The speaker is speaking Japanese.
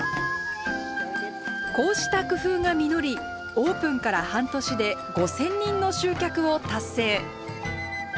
こうした工夫が実りオープンから半年で５，０００人の集客を達成。